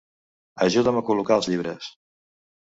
Ajuda'm a col·locar els llibres.